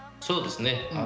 そうですね。